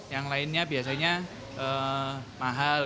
yang lainnya biasanya mahal